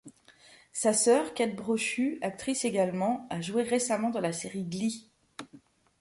Sa sœur Kate Brochu, actrice également à jouer récemment dans la série Glee.